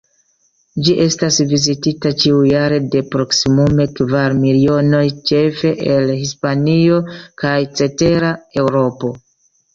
Ĝi estas vizitita ĉiujare de proksimume kvar milionoj, ĉefe el Hispanio kaj cetera Eŭropo.